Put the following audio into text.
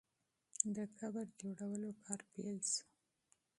د قبر جوړولو کار شروع سو.